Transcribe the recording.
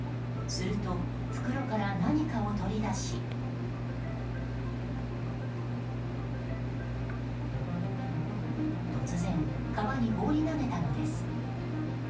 すると袋から何かを取り出し突然、川に放り投げたのです。